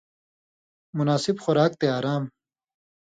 مناسب خوراک تے آرام۔